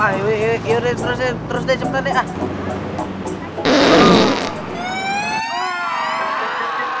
ayo deh terus deh cepetan deh